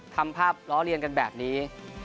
ทำภาพล้อเลียนกันแบบนี้